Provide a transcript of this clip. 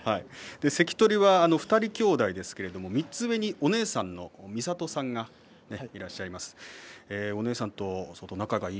関取は２人きょうだいですけれど３つ上にお姉さんの美里さんがいらっしゃいます。